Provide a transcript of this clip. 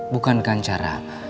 bukan dengan cara